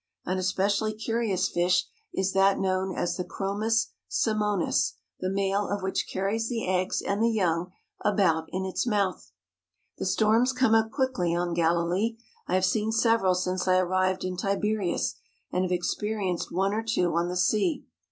An especially curious fish is that known as the chromts simonis, the male of which carries the eggs and the young about in its mouth. The storms come up quickly on Galilee. I have seen several since I arrived in Tiberias and have experienced one or two on the sea.